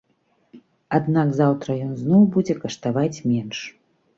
Аднак заўтра ён зноў будзе каштаваць менш.